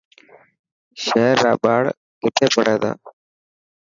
شهر را ٻاڙ کٿي پڙهي ٿا.